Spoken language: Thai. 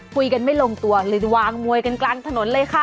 คุยกันไม่ลงตัวเลยวางมวยกันกลางถนนเลยค่ะ